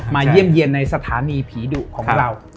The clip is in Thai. เยี่ยมเยี่ยมในสถานีผีดุของเรา